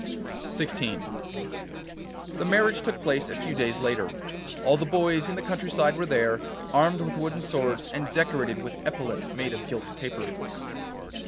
XVI The marriage took place a few days later. All the boys in the country side were there, armed with wooden swords, and decorated with epaulets made of gilt paper.